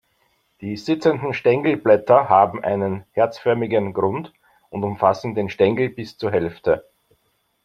Die sitzenden Stängelblätter haben einen herzförmigen Grund und umfassen den Stängel bis zur Hälfte.